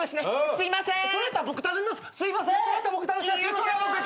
すいません